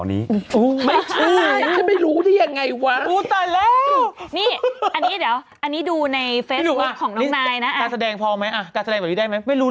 ผมจะบอกว่าไม่ต้องอ่านข่าว